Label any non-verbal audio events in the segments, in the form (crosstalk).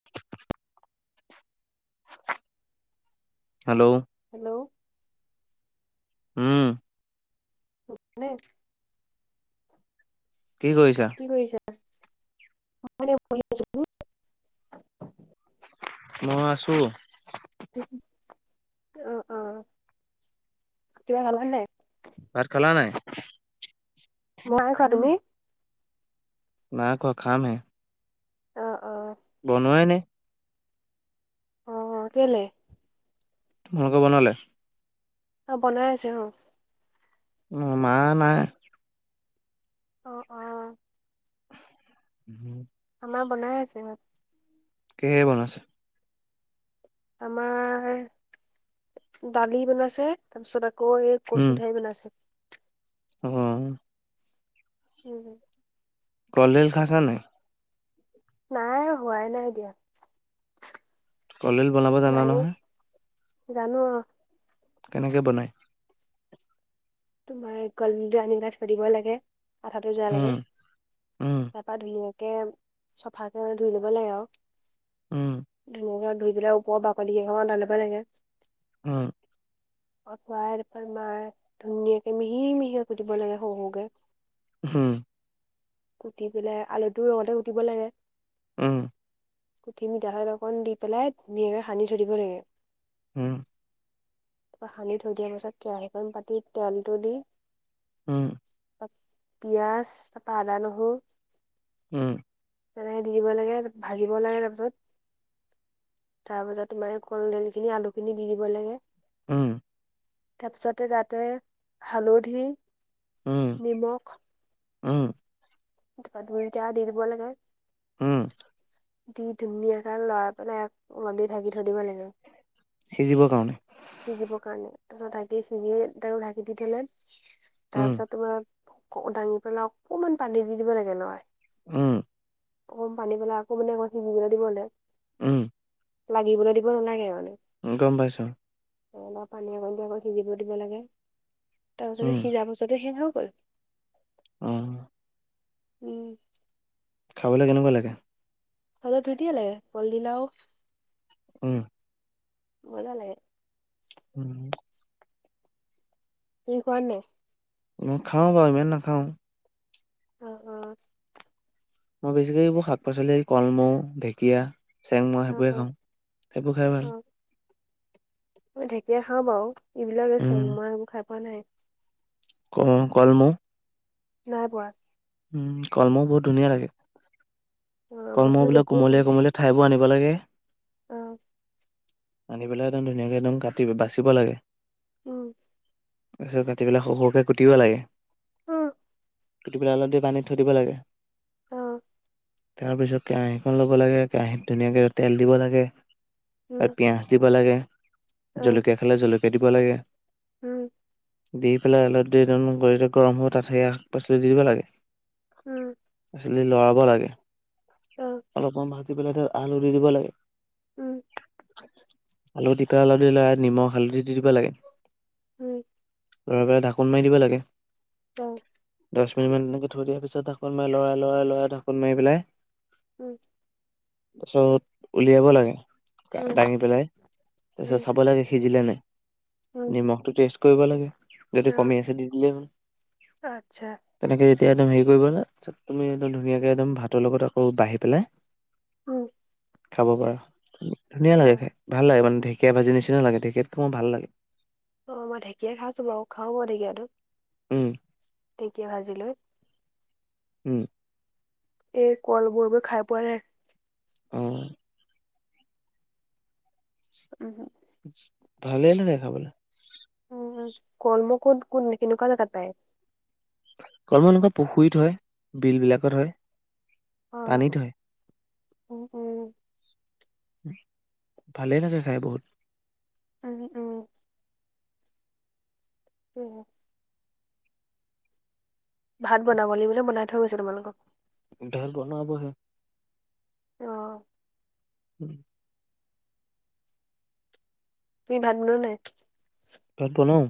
(unintelligible) Hello, hello, উম, নে, কি কৰিছা। কি কৰিছা (unintelligible) মই আছোঁ। অ অ কিবা খালা নাই। ভাত খালা নাই। নাই খোৱা তুমি। নাই খোৱা খাম হে। অ অ, বনোৱাই নাই। অ কেলে। তোমালোক বনালে। অ বনাই আছে অ। অ‌ মা নাই। অ অ, উম, আমাৰ বনাই আছে, ভাত। কিহে, বনাইছে? আমাৰ দালি বনাইছে, তাৰপিছত আকৌ, এই উম কচু ঠাই, বনাইছে। অ, হম, হম, কলডিল খাইছানে নাই? নাই হোৱাই, নাই দিয়া। কলডিল বনাব জানা নাইয়ে নহয়। জানো। কেনেকৈ, বনায়? তোমাৰ কলডিলটো আনি পেলাই থৈ দিব লাগে, আঠাতে যোৱাব উম ল'কে, উম তাৰ তা, ধুনীয়াকে চফা কৰি ধুই লব লাগে আৰু। উম, ধুনীয়াকা ধুই পেলাই, ওপৰৰ বাকলি কেইখন উলবা লাগে। উম, (unintelligible) ধুনীয়াকে মিহি-মিহি কুটিব লাগে সৰু-সৰুকে। হম, কুটি পেলাই, আলুটো লগতে কুটিব লাগে। উম, কুটি মিঠাতেল অকণ দি পেলাই, ধুনীয়াকৈ সানি থৈ দিব লাগে। উম, তাৰপৰা সানি থৈ দিয়াৰ পাছত, কেৰাহীটো পাতি তেলটো দি। উম, পিয়াজ তাৰপৰা আদা-নহৰু। উম, তেনেকে দি দিব লাগে, ভাজিব লাগে তাৰপিছত। তাৰ পাছত তোমাৰ কলদল খিনি, আলুখিনি দি দিব লাগে। উম, তাৰপিছতে তাতে, হালধি, উম নিমখ। উম, তাৰপৰা দুইটা, দি দিব লাগে। উম, দি, ধুনীয়াক লৰাই পেলাই ঢাকি থৈ দিব লাগে। সিজিবৰ কাৰণে? সিজিবৰ কাৰণে, তাৰপিছত ঢাকি সিজি ত, ঢাকি দি থলে উম তাৰপিছত তোমাৰ দাঙি পেলাই অকমান পানী, দি দিব লাগে লৰাই। উম, অকণ পানী পেলাই, আকৌ কিবা দিব লাগে। উম, লাগিবলৈ দিব নালাগে, মানে। গম, পাইছোঁ। পানী অকণ দি সিজিব দিব লাগে, তাৰ পিছতে উম সিজা পিছতে সেই হৈ গ'ল উম উম খাবলৈ কেনেকুৱা লাগে? খাবলৈ ধুনীয়া লাগে কলডিল আৰু উম মজা লাগে। (inaudible) তুমি খুৱা নে নাই? মই খাওঁ বাৰু, ইমান নাখাওঁ। অ' অ'। মই বেছিকৈ এইবোৰ শাক পাচলি কলমৌ, ঢেকীয়া, চেংমৰা অ অ সেইবোৰে অ অ খাওঁ। এইবোৰ খাই অ ভাল মই ঢেকীয়া খাওঁ বাৰু এইবিলাক যে উম চেংমৰা এইবোৰ খাই পোৱা নাই। ক কলমৌ? নাই পোৱা উম কলমৌ বহুত ধুনীয়া লাগে। অ কলমৌ বস্তুটো বিলাক দেখিও পোৱা কোমলীয়া নাই কোমলীয়া ঠাৰিবোৰ আনিব লাগে। অ আনি পেলাই একদম ধুনীয়াকৈ একদম কাটি বাচিব লাগে। উম। তাৰপিছত কাটি পেলাই সৰু সৰুকৈ কুটিব লাগে। অ কুটি পেলাই অলপ দেৰি পানীত থৈ দিব লাগে। অঁ। তাৰপিছত কেৰাহীখন ল'ব লাগে কেৰাহীত ধুনীয়াকৈ তেল দিব লাগে তাত উম পিঁয়াজ দিব লাগে, অ জলকীয়া খালে জলকীয়া দিব লাগে। উম। দি পেলাই অলপ দেৰি গৰম হ'ব তাত সেই শাক পাচলি দি দিব লাগে। উম। খালি লৰাব লাগে। অঁ। অলপমান ভাজি পেলাই তাত আলু দি দিব লাগে। উম। আলু দি পেলাই তাত নিমখ হালধি দি দিব লাগে। লৰাই পেলাই ঢাকোন মাৰি দিব লাগে। অ। দহ মিনিটমান এনেকৈ থৈ দিয়াৰ পিছত ঢাকোন মাৰি লৰাই লৰা লৰাই ঢাকো মাৰি পেলাই উম। তাৰপিছত উলিয়াব লাগে। দাঙি পেলাই তাৰপিছত চাব লাগে সিজিলে নাই নিমখ টো টেষ্ট কৰিব লাগে যদি কমি আছে দি দিলে হল। আচ্ছা তেনেকে যেতিয়া একদম হেৰি কৰিব তুমি একদম ধুনীয়াকে একদম ভাতৰ লগত আকৌ বাঢ়ি পেলাই উম খাব পাৰা ধুনীয়া অ লাগে খাই। ভাল লাগো মানে ঢেকীয়া ভাজি নিচিনা লাগে ঢেকিয়াতকো মোৰ ভাল লাগে। অ মই ঢেকীয়া খাইছো বাৰু খাওঁ মই ঢেকীয়াটো। উম। ঢেঁকীয়া ভাজিলৈ উম। এই কলমৌবোৰ খাই পোৱা নাই। উম। উহুঁ। ভালে নহয় খাবলৈ। উম। কলমৌ কত কোন কেনেকুৱা জেগাত পায়? কলমৌ এনুকা পুখুৰীত হয়। বিলবিলাকত হয়। পানীত হয়। অ'হ। অ' ভালেই লাগে খাই বহুত। (unintelligible) অ' (unintelligible) ভাত বনাব লাগিব নে? বনাই থৈ গৈছে তোমালোকৰ? ধৰ বনাবহে। অহ। উম। তুমি ভাত বনোৱা নাই? ভাত বনাওঁ।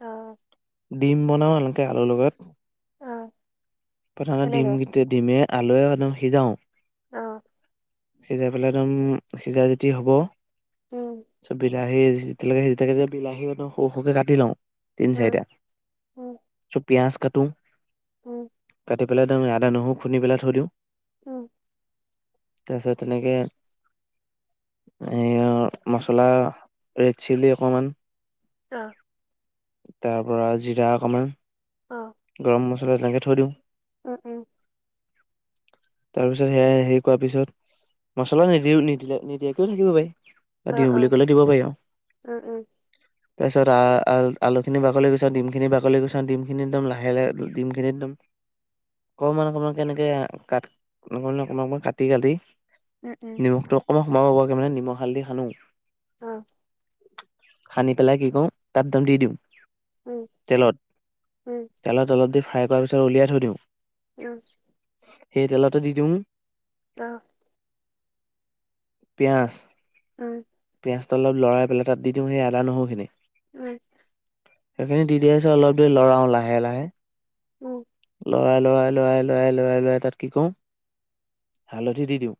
অহ। ডিম বনাওঁ এনেকে আলুৰ লগত। অহ। প্ৰথমতে ডিমগেইটা ডিমে আলুৱে একদম সিজাওঁ অহ। সিজাই পেলাই একদম সিজাই যদি হ'ব উম। চ' বিলাহী যেতিয়ালৈকে সিজি থাকে যে, বিলাহী একদম সৰু-সৰুকে কাটি লওঁ তিন- উম চাৰিটা। উম চ' পিয়াজ কাটোং। উম কাটি পেলাই আদা- নহৰু খুন্দি পেলাই থৈ দিওঁ। উম। তাৰ পিছত তেনেকে এইয়া মছলা, ৰেডচিলি অকমান অহ। তাৰ পৰা জিৰা অকমান অহ। গৰম মছলা তেনেকে থৈ দিওঁ। উ উম। (inaudible) তাৰ পিছত সেয়া হেৰি কৰাৰ পিছত, মছলা নিদিও নিদিলে নিদিয়াকেও থাকিব পাৰি। বা অ দিওঁ অ বুলি কলে দিব পাৰি আৰু। উম উম তাৰ পিছত আহ আলুখিনি বাকলি গুচাওঁ। দিমখিনি বাকলি গুচাওঁ। দিমখিনি একদম লা লাহে লে দিমখিনি একদম অকমান অকমানকে এনেকে কাট অকণমান অকমান কাটি -কাটি উম উম নিমখটো অকমান সোমাব পৰাকে মানে নিমখ হালধি সানো অহ। সানি পেলাই কি কৰো তাত দম দি দিওঁ ওম তেলত ওম তেলত অলপ দেৰি ফ্ৰাই কৰাৰ পিছত উলিয়াই থৈ দিওঁ উম সেই তেলতে দি দিওঁ অ পিঁয়াজ উম পিঁয়াজটো অলপ লৰাই পেলাই তাত দিওঁ সেই আদা নহৰুখিনি উম সেইখিনি দি দিয়াৰ পিছত অলপ দেৰি লৰাওঁ লাহে লাহে উম লৰাই লৰাই লৰাই লৰাই লৰাই লৰাই তাত কি কৰো হালধি দি দিওঁ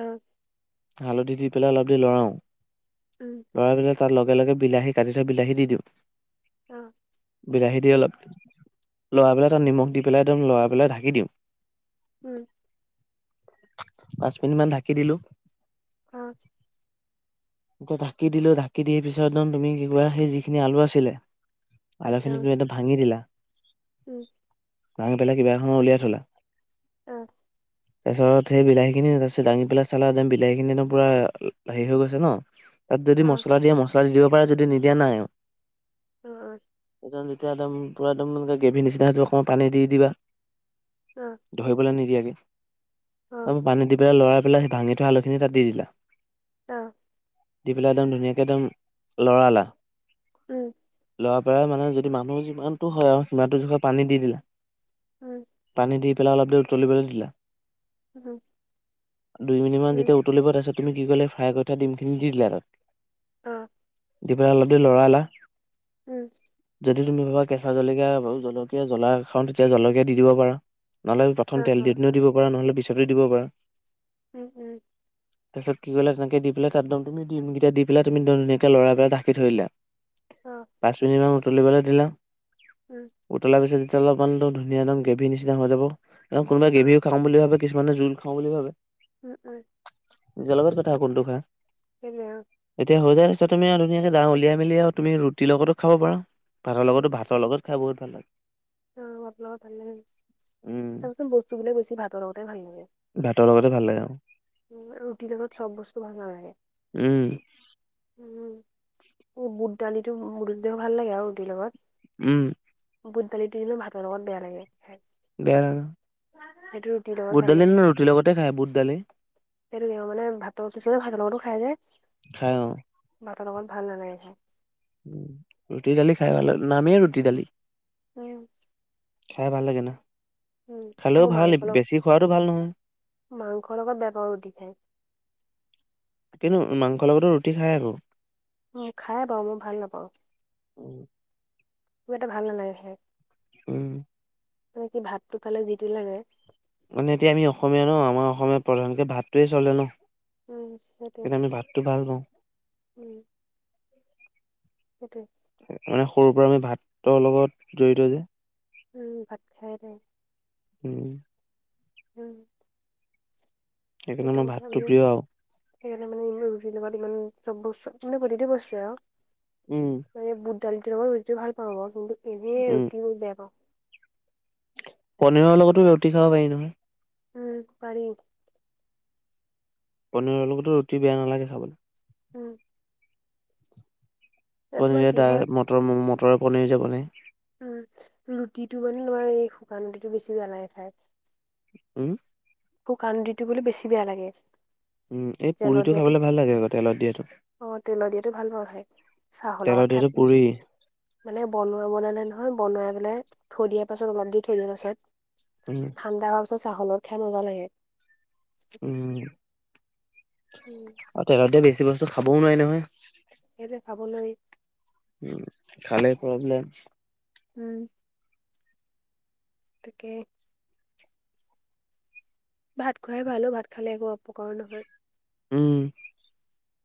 অ হালধি দি পেলাই অলপ দেৰি লৰাওঁ উম লৰাই পেলাই তাৰ লগে লগ বিলাহী কাটি থোৱা বিলাহী দি দিওঁ অ বিলাহী দি অলপ লৰাই পেলাই তাত নিমখ দি পেলাই একদম লৰাই পেলাই ঢাকি দিওঁ উম পাঁচ মিনিট মান ঢাকি দিলো অ এতিয়া ঢাকি দিলো ঢাকি দি পিছত তুমি কিবা সেই যিখিনি আলু আছিলে আলু খিনি তুমি একদম ভাঙি দিলা ওম ভাঙি পেলাই কিবা এখনত উলিয়াই থলা অ (unintelligible) তাৰ পিছত সেই বিলাহী খিনি তাৰপিছত দাঙি পেলাই চালা একদম বিলাহী খিনি একদম পুৰা হেৰি হৈ গৈছে ন তাত যদি মছলা দিয়ে মছলা দি দিব পাৰে যদি নিদিয়া নাই আৰু অ অ সেই যেতিয়া একদম পূৰা একদম এনেকৈ গ্ৰেভীৰ নিচিনা হয়েইটো অকণমান পানী দি দিবা অ ধৰিবলৈ নিদিয়াকে তাৰপা পানী দি পেলাই লৰাই পেলাই সেই ভাঙি থোৱা আলুখিনি তাত দি দিলা অ দি পেলাই একদম ধুনীয়াকে একদম লৰালা উম লৰা পৰাই মানে যদি মানুহ যিমানটো হয় আৰু সিমানটো জোখত পানী দি দিলা হয় পানী দি পেলাই অলপ দেৰি উতলিবলৈ দিলা হয় দুই মিনিটমান যেতিয়া উতলিব তাৰপিছত তুমি কি কলে ফ্ৰাই কৰি থা ডিমখিনি দি দিলা তাত অ দি পেলাই অলপ দেৰি লৰালা উম' যদি তুমি ভাবা কেঁচা জলকীয়া জলকীয়া জ্বলা খাওঁ তেতিয়া জলকীয়া দি দিব পাৰা। নহ'লে প্ৰথম তেল দিওতেনো দিব পাৰা নহ'লে পিছতো দিব পাৰা। ওম ওম'। তাপিছত কি কৰিলা তেনেকে দি পেলাই তাতদম তুমি দিম গিটা দি পেলাই তুমি ধুনীয়াকে লৰাই পেলায় ধাকি থৈ দিলা। (inaudible) অঁ' পাঁচ মিনিটমান উতলিবলে দিলা- উম' উতলা পিছত যেতিয়া অলপমান ধুনীয়া একদম গ্ৰেভী নিচিনা হৈ যাব, কোনোবা গ্ৰেভিও খাম বুলি ভাবে- কিছুমানে জোল খাওঁ বুলি ভাবে। উম উম' নিজ লগত কথা কোনটো খায়। কেনে অঁ'। এতিয়া হৈ যাই তাপিছত তুমি আৰু ধুনীয়াকে উলিয়াই মেলি আৰু তুমি ৰুটিৰ লগতো খাব পাৰা, ভাতৰ লগতো ভাত- তৰ লগত খাই বহুত ভাল লাগে। অঁ ভাত লগত ভাল লাগে, উম চাওকচোন বস্তুবিলাক বেছি ভাতৰ লগতে ভাল লাগে। ভাতৰ লগতে ভালে অঁ'। উম ৰুটিৰ লগত চব বস্তু ভাল নালাগে। উম' উম অ বুট দালিটো ৰুটি দে ভাল লাগে আৰু ৰুটিৰ লগত। উম' বুট দালিটো কিন্তু ভাতৰ লগত বেয়া লাগে খায়। বেয়া না। লগত বুট ভাল দালি লাগে নো ৰুটিৰ লগতে খাই বুট দালি। সেইটো মানে ভাতৰ পিছতে ভাত লগ লগতো খাই যে। খায় অঁ। ভাতৰ লগত ভাল নালাগে খাই। ৰুটি দালি খাই ভাল লাগে নামেই ৰুটি দালি। উম' খাই ভাল লাগে ন' উম খালেও মোৰ ভাল মাংস বেছি লগত খোৱাটো ভাল নহয়। মাংসৰ লগত বেয়া পাওঁ ৰুটি খায়। কিন্তু, মাংসৰ লগতো ৰুটি খাই আকৌ। উম খাই বাৰু মই ভাল নাপাওঁ। উম' কিবা এটা ভাল নালাগে খাই। উম' মানে কি ভাতটো পালে যি টি লাগে। মানে এতিয়া আমি অসমীয়া ন আমাৰ অসমীয়া প্ৰধানকে ভাতটোৱে চলে ন। উম সেইটোৱে কিন্তু, আমি ভাতটো ভাল পাওঁ। উম' সেটোৱেই। মানে সৰুৰ পৰা আমি ভাতৰ লগত জড়িত যে। উম' ভাত খাই এটাই- উম' উম'। সেইকাৰণে সেটো আমাৰ কথা ভাতটো আমিও প্ৰিয় আৰু সেইকাণে মানে (unintelligible) চব বচ, মানে প্ৰতিটো বস্তুৱে আও উ। নে বুট দালিটো লগত ৰুটি ভাল পাওঁ ম কিন্তু এনেই উম ৰুটি মই বেয়া পাওঁ। পনীৰৰ লগতো ৰুটি খাব পাৰি নহয়। উ পাৰি। পনীৰৰ লগতো ৰুটি বেয়া নালাগে খাবলৈ। উ। এ তোমাৰ পনীয়ে কি হয় দাল, মটৰ-মটৰ পনীৰ যে বনায়। উ ৰুটিটো মান নোৱাৰি, এই শুকান ৰুটিটো বেছি বেয়া লাগে খাই। উ উ। শুকান ৰুটিটো বোলে বেছি বেয়া লাগে। উম এই তেলত পুৰিটো দিয়াটো, খাবলৈ ভাল লাগে আকৌ তেলত দিয়াটো অ' তেল দিয়াটো ভাল পাওঁ খাই। চাহ তেলত লগত খাই দিয়াটো (unintelligible) পুৰি মানে বনোৱা বনালে নহয়, বনাই পেলাই থৈ দিয়া পাছত অলপ দি থৈ যায় পাছত। উ। ঠাণ্ডা হোৱা পিছত চাহ লগত খাই মজা লাগে। উ। উ। তেলত দিয়া বেছি বস্তু খাবও নোৱাই নহয়। কেলে খাব নোৱাই? উ খালে প্ৰব্লেম। উ। তাকে। ভাত খোৱাই ভাল অ', ভাত খালে একো অপকাৰো নহয়। উ।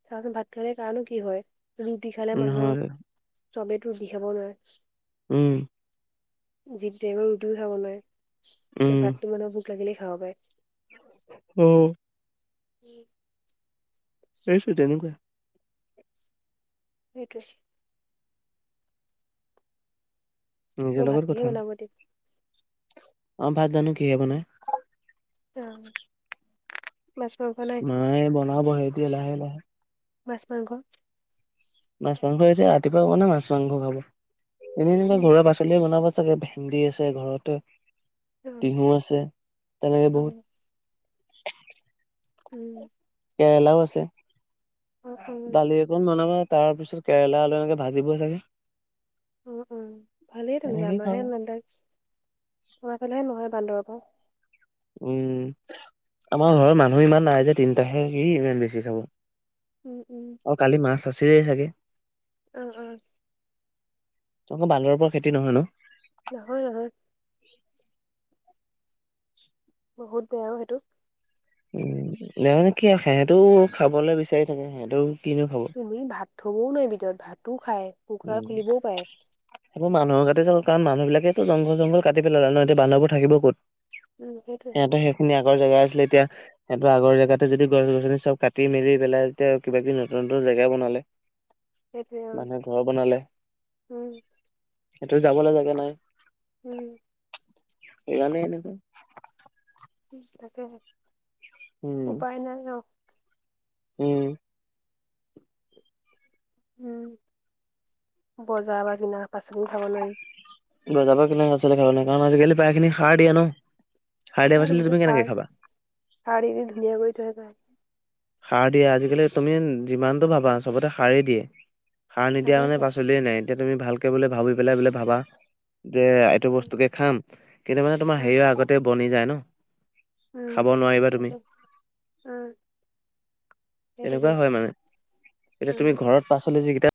চাওঁচোন ভাত খালে কাণো কি হয়? ৰুটি খালে মানুহ, নহয় চবেটো ৰুটি খাব নোৱাৰে। উ। জিটটুৱে আৰু ৰুটিও খাব নাই কিন্তু উম ভাতটো মানে ভোক লাগিলে খাব পাই। উ। (inaudible) এইছো তেনেকুৱাই। এটোচ। ম নিজৰ ভাত লগত কিয়ে বনাব দি। অ' ভাত জানো কিয়ে বনাই। অ', মাছ মাংস নাই? নাই বনাবই এতিয়া লাই লাই। মাছ, মাংস। মাছ মাংস, এতিয়া ৰাতিপুৱা কোনে মাছ মাংস উম, খাব (unintelligible) লি বনাব চাগে ভেন্দি আছে ঘৰত, অ' তিহু আছে তেনেকে বহুত অ' উ। কেৱেলাও আছে, অ' অ' দালি (unintelligible) বনাব, তাৰপিছত কেৰেলা আলু এনেকে ভাজিব চাগে। উ, উ ভালেই তেনেকে তেনেকেই খাব আমাৰহে (unintelligible) আমা ফালেহে নহয় বান্দৰ পা। উ আমাৰ ঘৰৰ মানুহ ইমান নাই যে, তিনটাহে কি ইমান বেছি খাব। উম, উম। আৰু কালি মাছ আছেই চাগে। উম, উম। তোমালোকৰ বান্দৰৰ পৰা খেতি নহয় ন! নহয়, নহয়। বহুত বেয়া অ সেইটো। (unintelligible) কি আৰু, সিহঁতেও খাবলৈ বিচাৰি থাকে, সিহঁতেও কিনো খাব তুমি ভাত থবও নোৱাৰি ভিতৰত, ভাতো খাই। (inaudible) মানুহৰ গাতে (unintelligible) কাৰণ মানুহবিলাকেতো জংঘল- জংঘল কাটি পেলালে ন, এতিয়া বান্দৰবোৰ থাকিব ক'ত? উম, সেইটোৱে সিহঁতৰ সেইখিনি আগৰ জেগা আছিলে, এতিয়া সিহঁতৰ আগৰ জগাতে যদি গছ-গছনি চব কাটি মেলি পেলাই, তেতিয়া কিবা-কিবি নতুন-নতুন জেগা বনালে (inaudible) সেইটোৱে, অ। মানুহে ঘৰ বনালে। উম, সিহঁতৰ যাবলৈ জেগা নাই। উম। সেইকাৰণে, এনেকুৱা। তাকে, উম উপায় নাই ন। উম। হম, বজাৰ পৰা কিনা শাক-পাচলিও খাব নোৱাৰি। বজাৰ পা কিনা পাচলি খাব নোৱাৰি। কাৰণ আজিকালি প্ৰায় খিনি সাৰ দিয়া ন, সাৰ দিয়া তাকেটো পাচলি গোটেই তুমি সাৰ কেনেকে খাবা। সাৰ দি দি ধুনীয়া কৰি থৈ যায়। সাৰ দিয়ে, আজিকালি তুমি যিমানতটো ভাবা চবতে সাৰেই দিয়ে। সাৰ নিদিয়া মানে তাকেহে পাচলিয়ে নাই, এতিয়া তুমি ভালকে বোলে ভাবি পেলাই বোলে ভাবা, যে সেইটো উম, বস্তুকে খাম, কিন্তু মানে তোমাৰ উম। হেৰি আগতে বনি যায় ন! উম, খাব নোৱাৰিবা তুমি (unintelligible) উম। সেইটোকে তেনেকুৱা হয় মানে, এতিয়া উম। তুমি ঘৰত পাচলি যিকেইটা